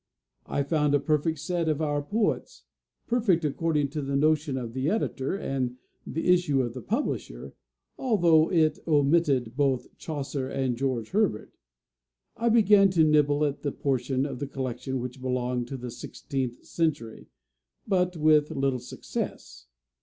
I found a perfect set of our poets perfect according to the notion of the editor and the issue of the publisher, although it omitted both Chaucer and George Herbert. I began to nibble at that portion of the collection which belonged to the sixteenth century; but with little success.